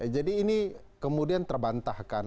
jadi ini kemudian terbantahkan